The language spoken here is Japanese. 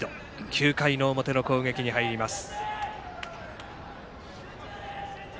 ９回の表の攻撃に入ります。